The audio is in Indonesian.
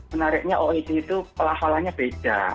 menariknya oed itu pelafalannya beda